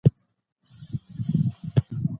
ځينې دودونه له منځه ځي.